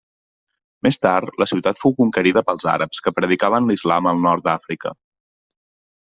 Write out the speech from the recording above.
Més tard, la ciutat fou conquerida pels àrabs que predicaven l'Islam al nord d'Àfrica.